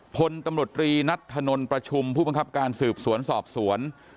พลตำรวจรีนัทธนลประชุมผู้บังคับการสืบสวนสอบสวน